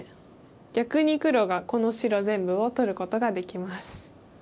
逆に黒がこの白全部を取ることができます。